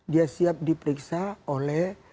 dia siap diperiksa oleh